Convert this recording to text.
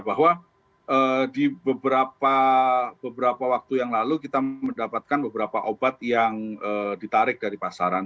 bahwa di beberapa waktu yang lalu kita mendapatkan beberapa obat yang ditarik dari pasaran